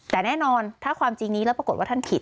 แต่แน่นอนถ้าความจริงนี้แล้วปรากฏว่าท่านผิด